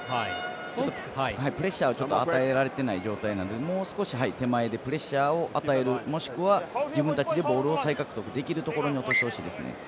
ちょっとプレッシャーを与えられていない状態なのでもう少し手前でプレッシャーを与えるもしくは自分たちでボールを再獲得できるところに落としてほしいですね。